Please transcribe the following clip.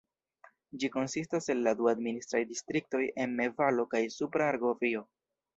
Ĝi konsistas el la du administraj distriktoj Emme-Valo kaj Supra Argovio.